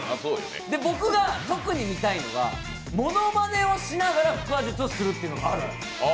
僕が特に見たいのはものまねをしながら腹話術をするっていうのがあるんですよ。